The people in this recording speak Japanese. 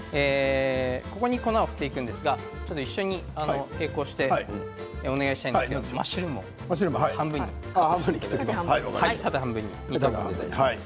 ここに粉を振っていくんですが一緒に並行してお願いしたいんですけどもマッシュルームを縦半分に切ってください。